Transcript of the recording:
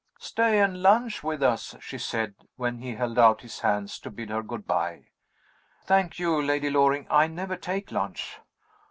"Stay and lunch with us," she said, when he held out his hand to bid her good by. "Thank you, Lady Loring, I never take lunch."